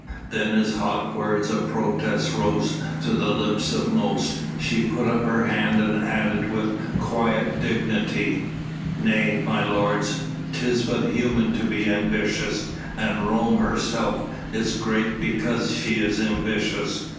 Then as hot words of protest rose to the lips of most, she put up her hand and added with quiet dignity: "Nay, my lords, 'tis but human to be ambitious, and Rome herself is great because she is ambitious.